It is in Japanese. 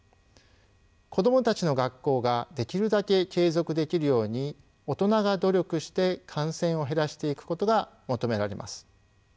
子どもたちの学校ができるだけ継続できるように大人が努力して感染を減らしていくことが求められます。